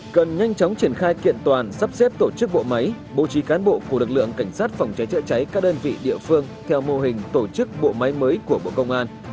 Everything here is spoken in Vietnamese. cần nhanh chóng triển khai kiện toàn sắp xếp tổ chức bộ máy bố trí cán bộ của lực lượng cảnh sát phòng cháy chữa cháy các đơn vị địa phương theo mô hình tổ chức bộ máy mới của bộ công an